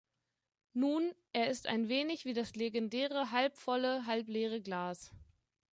Nun, er ist ein wenig wie das legendäre halbvolle, halbleere Glas.